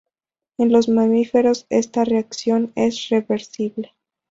En los mamíferos esta reacción es reversible.